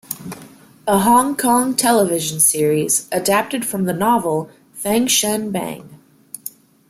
A Hong Kong television series, adapted from the novel Fengshen Bang.